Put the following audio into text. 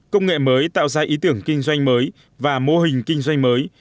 công nghệ mới tạo ra ý tưởng kinh doanh mới và mô hình kinh doanh mới